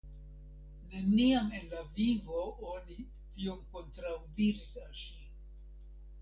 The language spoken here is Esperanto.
Neniam en la vivo oni tiom kontraŭdiris al ŝi.